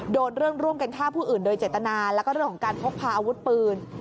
โดนเรื่องร่วมกันฆ่าผู้อื่นโดยเจตนาแล้วก็เรื่องของการพกพาอาวุธปืน